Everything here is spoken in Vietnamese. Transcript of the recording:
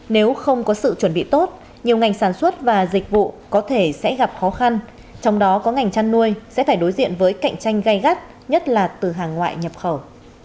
nếu không có sự chuẩn bị tốt nhiều ngành sản xuất và dịch vụ có thể sẽ gặp khó khăn trong đó có ngành chăn nuôi sẽ phải đối diện với cạnh tranh gây gắt nhất là từ hàng ngoại nhập khẩu